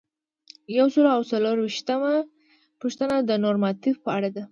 یو سل او څلور څلویښتمه پوښتنه د نورماتیف په اړه ده.